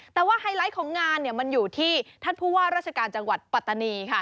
แต่ว่าไฮไลท์ของงานมันอยู่ที่ท่านผู้ว่าราชการจังหวัดปัตตานีค่ะ